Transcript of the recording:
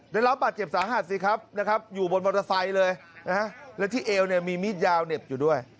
ได้รับบาดเจ็บสาหัสสิครับอยู่บนบริษัทเลยและที่เอวมีมีดยาวเหน็บอยู่ด้วย